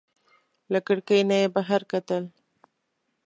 له کړکۍ نه یې بهر کتل.